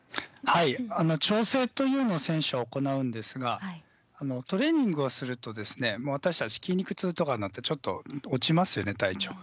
調整というのを、選手は行うんですが、トレーニングをすると、もう私たち、筋肉痛とかになって、ちょっと落ちますよね、体重が。